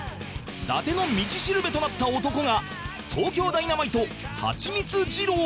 伊達の道しるべとなった男が東京ダイナマイトハチミツ二郎